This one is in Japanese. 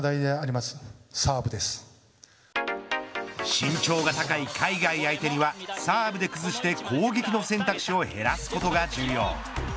身長が高い海外相手にはサーブで崩して攻撃の選択肢を減らすことが重要。